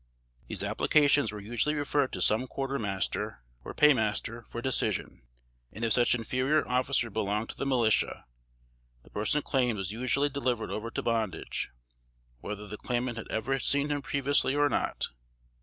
These applications were usually referred to some quarter master, or pay master, for decision; and if such inferior officer belonged to the militia, the person claimed was usually delivered over to bondage, whether the claimant had ever seen him previously or not.